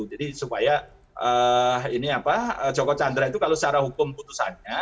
jadi supaya joko chandra itu kalau secara hukum putusannya